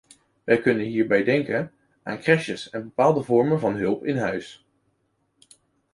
We kunnen hierbij denken aan crèches en bepaalde vormen van hulp in huis.